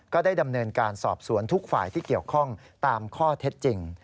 ก็ได้ดำเนินการสอบสวนทุกฝ่ายที่เกี่ยวข้องตามข้อเท็จจริง